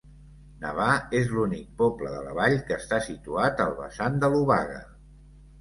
Nevà és l'únic poble de la vall que està situat al vessant de l'obaga.